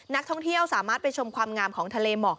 นักท่องเที่ยวสามารถไปชมความงามของทะเลหมอก